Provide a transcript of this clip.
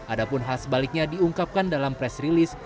ada pun hal sebaliknya diungkapkan dalam press release